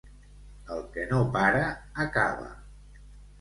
El que no para, acaba.